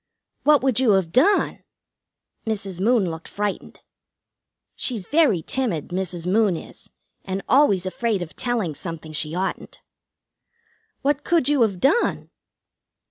"What would you have done?" Mrs. Moon looked frightened. She's very timid, Mrs. Moon is, and always afraid of telling something she oughtn't. "What could you have done?"